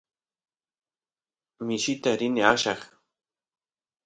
mishita rini aqlla